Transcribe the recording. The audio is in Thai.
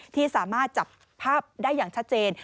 ที่สามารถจับภาพได้อย่างชัดเจน